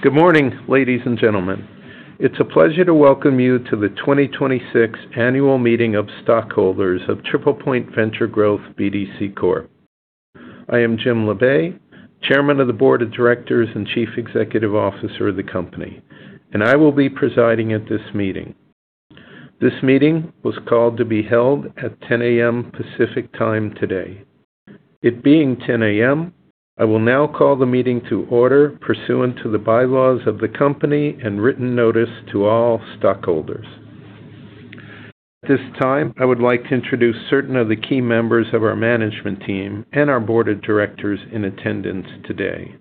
Good morning, ladies and gentlemen. It's a pleasure to welcome you to the 2026 Annual Meeting of Stockholders of TriplePoint Venture Growth BDC Corp. I am James P. Labe, Chairman of the Board of Directors and Chief Executive Officer of the company, and I will be presiding at this meeting. This meeting was called to be held at 10:00 A.M. Pacific Time today. It being 10:00 A.M., I will now call the meeting to order pursuant to the bylaws of the company and written notice to all stockholders. At this time, I would like to introduce certain of the key members of our management team and our Board of Directors in attendance today.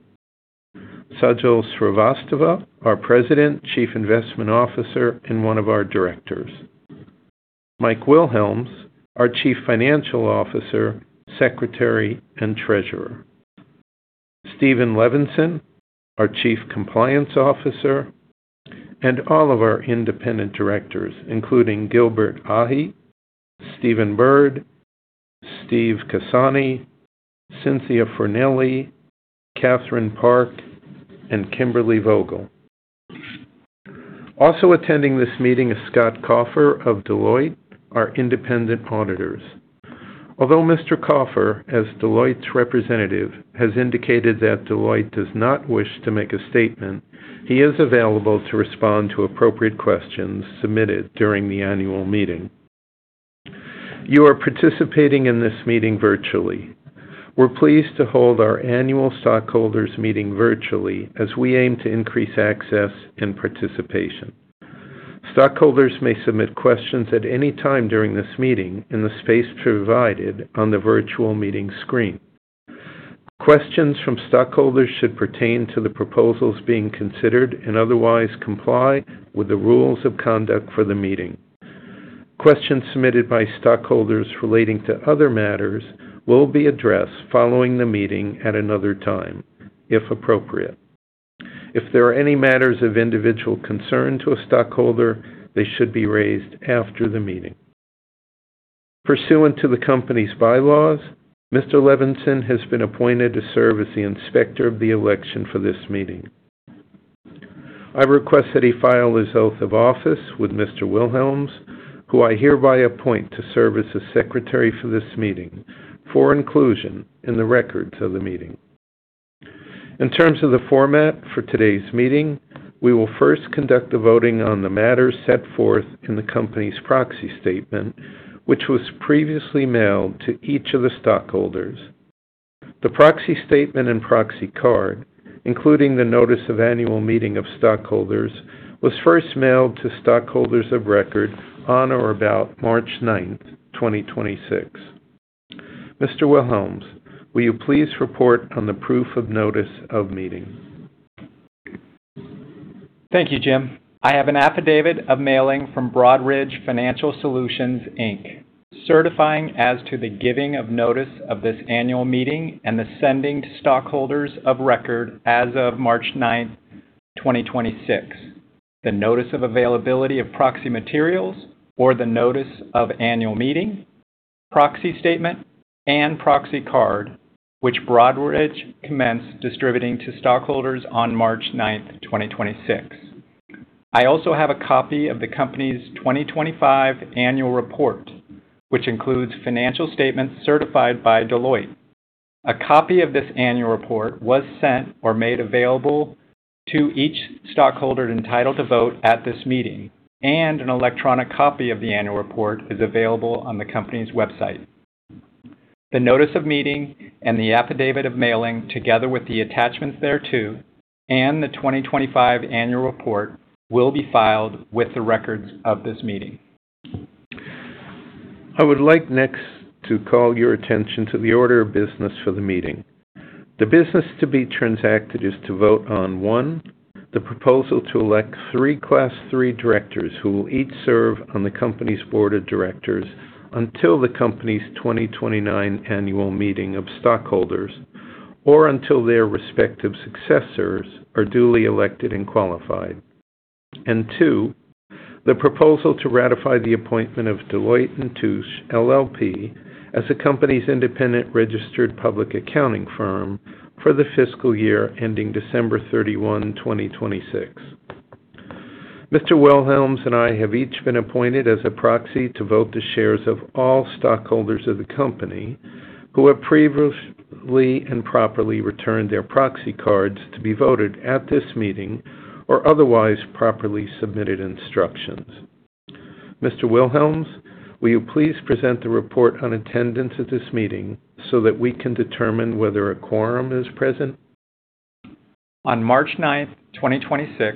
Sajal Srivastava, our President, Chief Investment Officer, and one of our Directors. Mike Wilhelms, our Chief Financial Officer, Secretary, and Treasurer. Steven Levinson, our Chief Compliance Officer, and all of our independent directors, including Gilbert E. Ahye, Steven P. Bird, Stephen A. Cassani, Cynthia M. Fornelli, Katherine J. Park, and Kimberly Vogel. Also attending this meeting is Scott Kaufer of Deloitte, our independent auditors. Although Mr. Kaufer, as Deloitte's representative, has indicated that Deloitte does not wish to make a statement, he is available to respond to appropriate questions submitted during the annual meeting. You are participating in this meeting virtually. We're pleased to hold our annual stockholders meeting virtually as we aim to increase access and participation. Stockholders may submit questions at any time during this meeting in the space provided on the virtual meeting screen. Questions from stockholders should pertain to the proposals being considered and otherwise comply with the rules of conduct for the meeting. Questions submitted by stockholders relating to other matters will be addressed following the meeting at another time, if appropriate. If there are any matters of individual concern to a stockholder, they should be raised after the meeting. Pursuant to the company's bylaws, Mr. Levinson has been appointed to serve as the inspector of the election for this meeting. I request that he file his oath of office with Mr. Wilhelms, who I hereby appoint to serve as the secretary for this meeting for inclusion in the records of the meeting. In terms of the format for today's meeting, we will first conduct the voting on the matters set forth in the company's proxy statement, which was previously mailed to each of the stockholders. The proxy statement and proxy card, including the notice of annual meeting of stockholders, was first mailed to stockholders of record on or about March ninth, 2026. Mr. Wilhelms, will you please report on the proof of notice of meeting? Thank you, Jim. I have an affidavit of mailing from Broadridge Financial Solutions, Inc., certifying as to the giving of notice of this annual meeting and the sending to stockholders of record as of March 9th, 2026, the notice of availability of proxy materials or the notice of annual meeting, proxy statement, and proxy card, which Broadridge commenced distributing to stockholders on March 9th, 2026. I also have a copy of the company's 2025 annual report, which includes financial statements certified by Deloitte. A copy of this annual report was sent or made available to each stockholder entitled to vote at this meeting, and an electronic copy of the annual report is available on the company's website. The notice of meeting and the affidavit of mailing, together with the attachments thereto and the 2025 annual report, will be filed with the records of this meeting. I would like next to call your attention to the order of business for the meeting. The business to be transacted is to vote on, one, the proposal to elect three Class three directors who will each serve on the company's board of directors until the company's 2029 annual meeting of stockholders or until their respective successors are duly elected and qualified. two, the proposal to ratify the appointment of Deloitte & Touche LLP as the company's independent registered public accounting firm for the fiscal year ending December 31, 2026. Mr. Wilhelms and I have each been appointed as a proxy to vote the shares of all stockholders of the company who have previously and properly returned their proxy cards to be voted at this meeting or otherwise properly submitted instructions. Mr. Wilhelms, will you please present the report on attendance at this meeting so that we can determine whether a quorum is present? On March nine, 2026,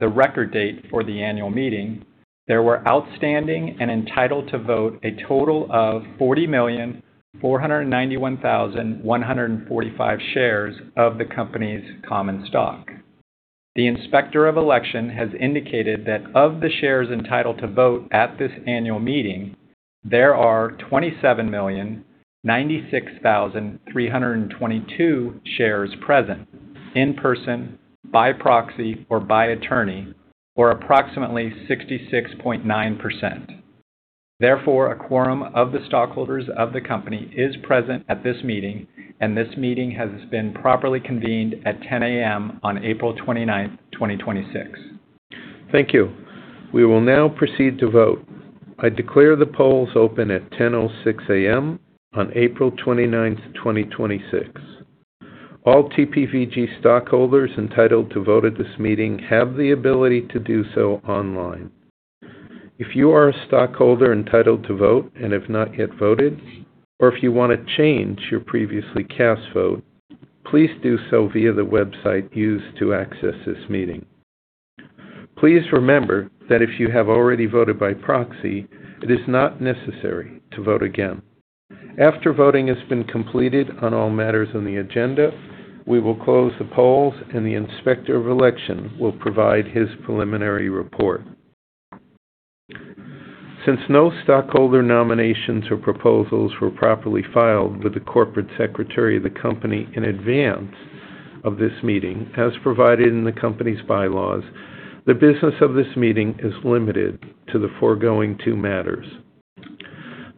the record date for the annual meeting, there were outstanding and entitled to vote a total of 40,491,145 shares of the Company's common stock. The inspector of election has indicated that of the shares entitled to vote at this annual meeting, there are 27,096,322 shares present in person, by proxy, or by attorney, or approximately 66.9%. Therefore, a quorum of the stockholders of the company is present at this meeting, and this meeting has been properly convened at 10:00 A.M. on April twenty-ninth, 2026. Thank you. We will now proceed to vote. I declare the polls open at 10:06 A.M. on April 29, 2026. All TPVG stockholders entitled to vote at this meeting have the ability to do so online. If you are a stockholder entitled to vote and have not yet voted, or if you want to change your previously cast vote, please do so via the website used to access this meeting. Please remember that if you have already voted by proxy, it is not necessary to vote again. After voting has been completed on all matters on the agenda, we will close the polls and the Inspector of Election will provide his preliminary report. Since no stockholder nominations or proposals were properly filed with the corporate secretary of the company in advance of this meeting, as provided in the company's bylaws, the business of this meeting is limited to the foregoing two matters.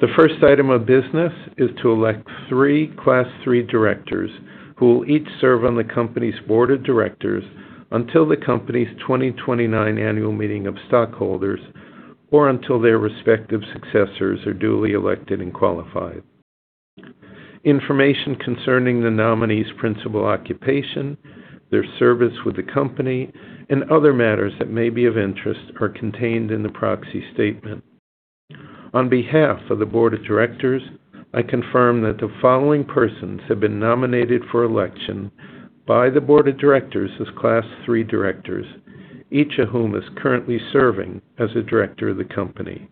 The first item of business is to elect three Class three directors who will each serve on the company's board of directors until the company's 2029 annual meeting of stockholders, or until their respective successors are duly elected and qualified. Information concerning the nominees' principal occupation, their service with the company, and other matters that may be of interest are contained in the proxy statement. On behalf of the board of directors, I confirm that the following persons have been nominated for election by the board of directors as Class three directors, each of whom is currently serving as a director of the company.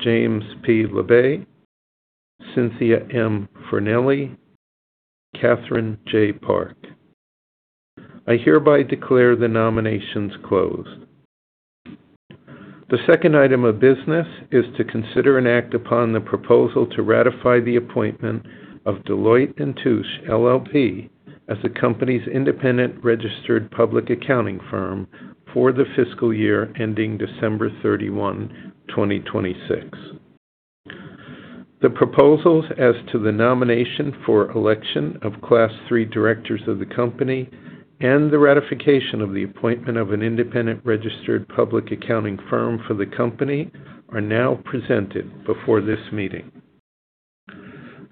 James P. Labe, Cynthia M. Fornelli, Katherine J. Park. I hereby declare the nominations closed. The second item of business is to consider and act upon the proposal to ratify the appointment of Deloitte & Touche LLP as the company's independent registered public accounting firm for the fiscal year ending December 31, 2026. The proposals as to the nomination for election of class three directors of the company and the ratification of the appointment of an independent registered public accounting firm for the company are now presented before this meeting.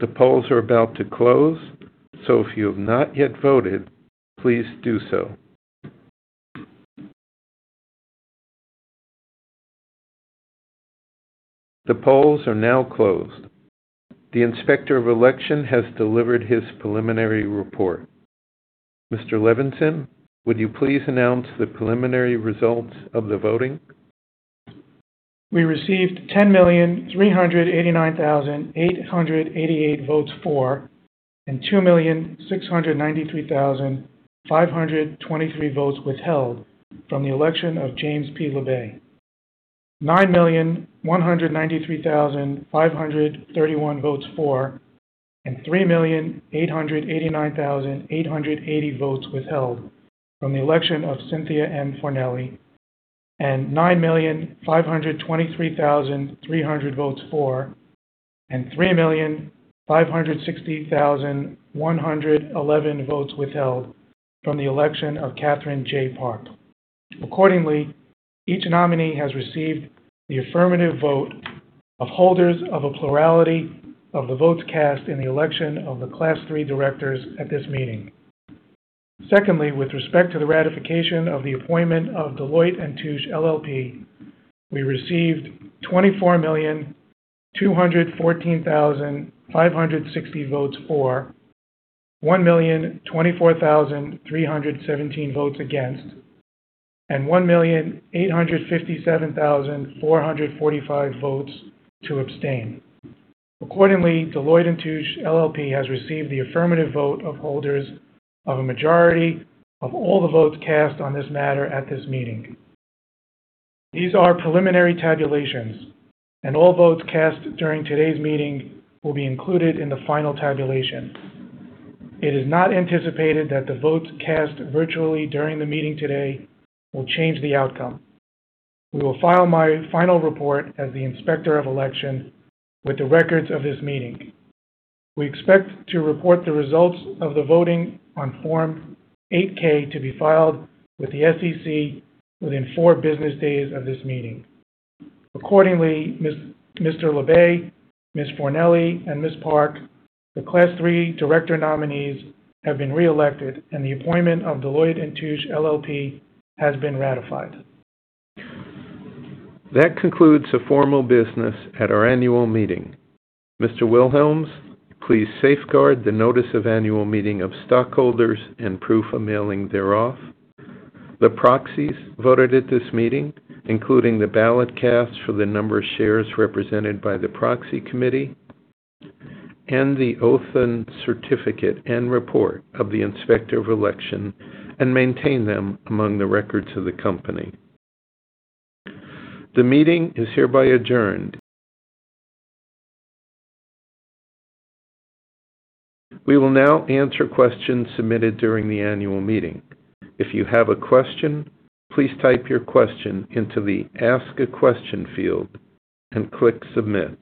The polls are about to close. If you have not yet voted, please do so. The polls are now closed. The Inspector of Election has delivered his preliminary report. Mr. Levinson, would you please announce the preliminary results of the voting? We received 10,389,888 votes for, and 2,693,523 votes withheld from the election of James P. Labe. 9,193,531 votes for, and 3,889,880 votes withheld from the election of Cynthia M. Fornelli, and 9,523,300 votes for, and 3,560,111 votes withheld from the election of Katherine J. Park. Accordingly, each nominee has received the affirmative vote of holders of a plurality of the votes cast in the election of the class three directors at this meeting. With respect to the ratification of the appointment of Deloitte & Touche LLP, we received 24,214,560 votes for, 1,024,317 votes against, and 1,857,445 votes to abstain. Deloitte & Touche LLP has received the affirmative vote of holders of a majority of all the votes cast on this matter at this meeting. These are preliminary tabulations and all votes cast during today's meeting will be included in the final tabulation. It is not anticipated that the votes cast virtually during the meeting today will change the outcome. We will file my final report as the Inspector of Election with the records of this meeting. We expect to report the results of the voting on Form 8-K to be filed with the SEC within 4 business days of this meeting. Accordingly, Mr. Labe, Ms. Fornelli, and Ms. Park, the Class three director nominees have been reelected and the appointment of Deloitte & Touche LLP has been ratified. That concludes the formal business at our annual meeting. Mr. Wilhelms, please safeguard the notice of annual meeting of stockholders and proof of mailing thereof, the proxies voted at this meeting, including the ballot cast for the number of shares represented by the proxy committee, and the oath and certificate and report of the Inspector of Election, and maintain them among the records of the company. The meeting is hereby adjourned. We will now answer questions submitted during the annual meeting. If you have a question, please type your question into the Ask a Question field and click Submit.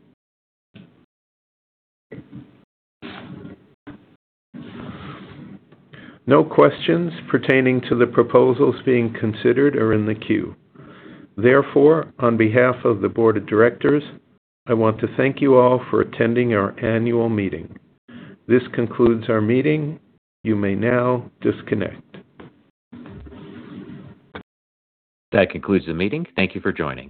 No questions pertaining to the proposals being considered are in the queue. Therefore, on behalf of the board of directors, I want to thank you all for attending our annual meeting. This concludes our meeting. You may now disconnect. That concludes the meeting. Thank you for joining.